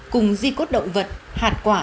cùng di cốt động vật hạt quả